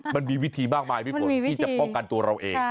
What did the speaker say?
มันมีวิธีมากมายพี่ฝนที่จะป้องกันตัวเราเอง